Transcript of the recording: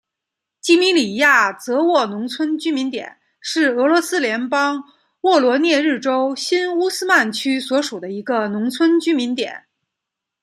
季米里亚泽沃农村居民点是俄罗斯联邦沃罗涅日州新乌斯曼区所属的一个农村居民点。